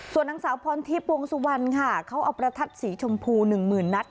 ส่วนนังสาวพรที่ปวงสุวรรณค่ะเขาเอาประทัดสีชมพูหนึ่งหมื่นนัด